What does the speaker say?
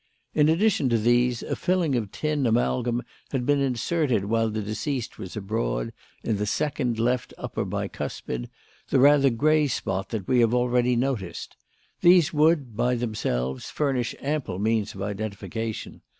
In addition to these, a filling of tin amalgam had been inserted while the deceased was abroad, in the second left upper bicuspid, the rather grey spot that we have already noticed. These would, by themselves, furnish ample means of identification.